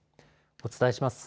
お伝えします。